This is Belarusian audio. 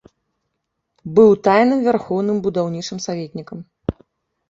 Быў тайным вярхоўным будаўнічым саветнікам.